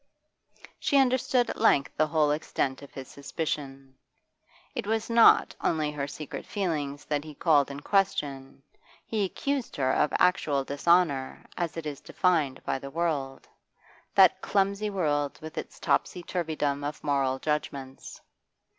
She understood at length the whole extent of his suspicion. It was not only her secret feelings that he called in question, he accused her of actual dishonour as it is defined by the world that clumsy world with its topsy turvydom of moral judgments.